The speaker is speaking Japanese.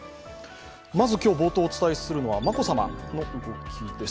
まず、今日冒頭お伝えするのは眞子さまの動きです。